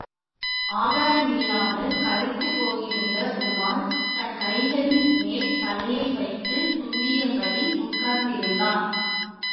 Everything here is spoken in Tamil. ஆகாரமில்லாமல் களைத்துப்போயிருந்த உமார், தன் கைகளின்மேல் தலையை வைத்துக் குந்தியபடி உட்கார்ந்திருந்தான்.